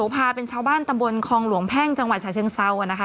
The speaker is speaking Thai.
พาเป็นชาวบ้านตำบลคองหลวงแพ่งจังหวัดฉะเชิงเซานะคะ